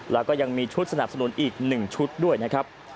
แล้วก็ยังมีชุดสนับสนุนอีก๑ชุดด้วยนะครับ